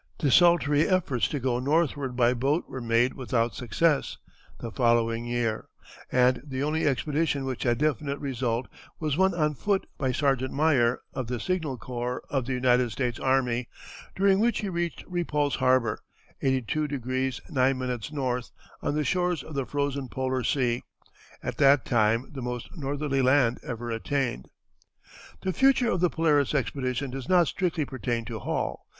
Desultory efforts to go northward by boat were made without success the following year, and the only expedition which had definite result was one on foot by Sergeant Meyer, of the Signal Corps of the United States Army, during which he reached Repulse Harbor, 82° 9´ N., on the shores of the frozen Polar Sea, at that time the most northerly land ever attained. The future of the Polaris expedition does not strictly pertain to Hall.